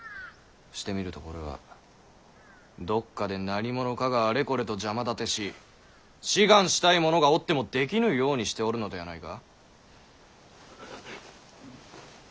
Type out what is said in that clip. してみるとこれはどっかで何者かがあれこれと邪魔立てし志願したい者がおってもできぬようにしておるのではないか？